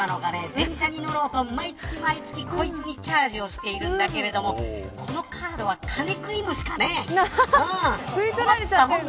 電車に乗ろうと、毎月こいつにチャージをしているんだけれどもこのカードは金食い虫かね吸い取られちゃう。